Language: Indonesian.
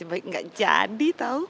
masih baik nggak jadi tau